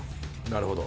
なるほど。